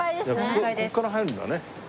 ここから入るんだね。